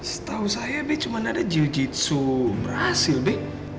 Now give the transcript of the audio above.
setahu saya be cuma ada jiu jitsu brazil be